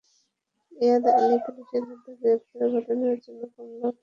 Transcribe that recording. ইয়াদ আলী পুলিশের হাতে গ্রেপ্তারের ঘটনার জন্য কামালকে দোষারোপ করে আসছিল।